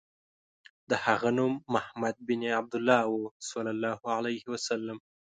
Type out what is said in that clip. د هغه نوم محمد بن عبدالله و.